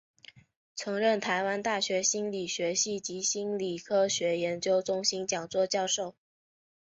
曾任台湾大学心理学系及心理科学研究中心讲座教授。